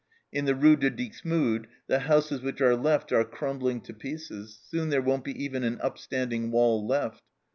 In the Rue de Dixmude the houses which are left are crumbling to pieces, soon there won't be even an upstanding wall left.